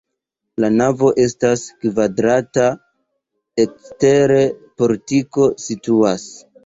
La navo estas kvadrata, ekstere portiko situas.